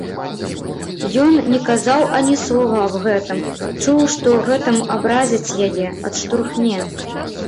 Ёй не казаў ані слова аб гэтым, чуў, што гэтым абразіць яе, адштурхне.